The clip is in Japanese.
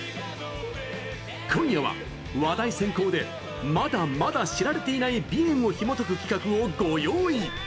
今夜は、話題先行でまだまだ知られていない美炎‐ＢＩＥＮ‐をひもとく企画をご用意！